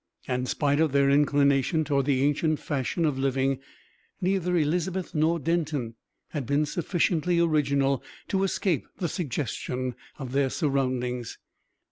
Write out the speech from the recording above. And, spite of their inclination towards the ancient fashion of living, neither Elizabeth nor Denton had been sufficiently original to escape the suggestion of their surroundings.